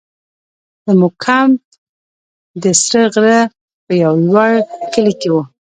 زموږ کمپ د سره غره په یو لوړ کلي کې وو.